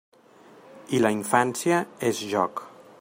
I la infància és joc.